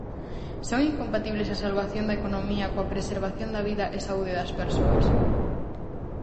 Son incompatibles a salvación da economía coa preservación da vida e saúde das persoas?